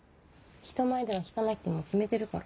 人前では弾かないってもう決めてるから。